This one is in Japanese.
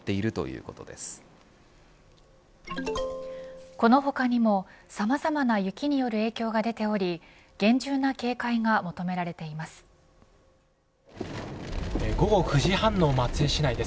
この他にも、さまざまな雪による影響が出ており厳重な警戒が求められています。